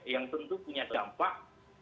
yang tentu punya dampak